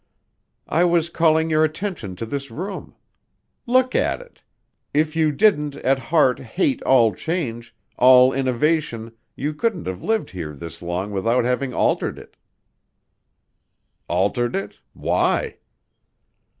"I was calling your attention to this room. Look at it. If you didn't, at heart, hate all change all innovation, you couldn't have lived here this long without having altered it." "Altered it why?"